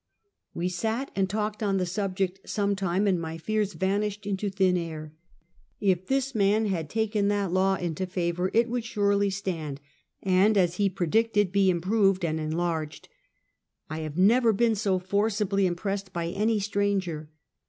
"We sat and talked on the subject some time, and my fears vanished into thin air. If this man had taken that law into favor it would surely stand, and as he predicted be " improved and enlarged." I have never been so forcibly impressed by any stranger.